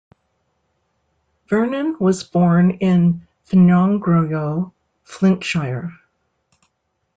Vernon was born in Ffynnongroew, Flintshire.